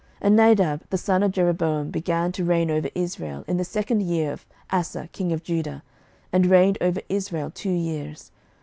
11:015:025 And Nadab the son of Jeroboam began to reign over Israel in the second year of Asa king of Judah, and reigned over Israel two years.